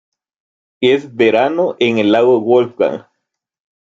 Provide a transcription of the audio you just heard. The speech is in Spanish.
Es verano en el lago Wolfgang.